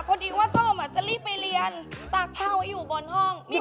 พอดีว่าส้มจะรีบไปเรียนตากผ้าไว้อยู่บนห้องนี่ของส้มเหรอ